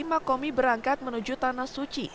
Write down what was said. mak komi berangkat menuju tanah suci